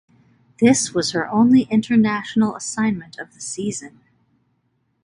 This was her only international assignment of the season.